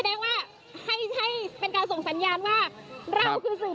เพื่อที่จะอันดับสัญญาณรักว่านี้เราเป็นศูนะคะ